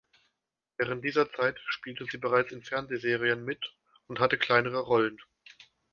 Während dieser Zeit spielte sie bereits in Fernsehserien mit und hatte kleinere Rollen.